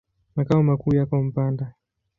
Makao makuu yako Mpanda.